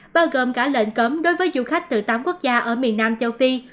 bao gồm cả lệnh cấm đối với du khách từ tám quốc gia ở miền nam châu phi